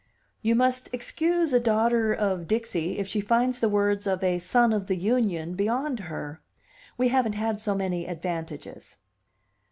"You must excuse a daughter of Dixie if she finds the words of a son of the Union beyond her. We haven't had so many advantages."